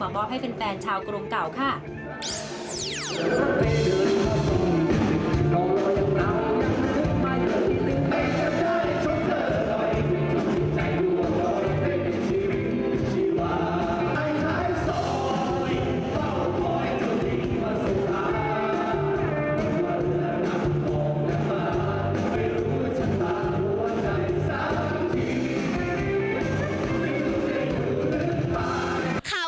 มามอบให้เพลงแฟนชาวกรุงเกาะค่ะ